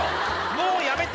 「もうやめて！